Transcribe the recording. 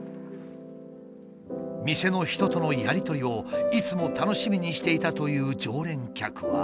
店の人とのやり取りをいつも楽しみにしていたという常連客は。